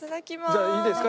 じゃあいいですか？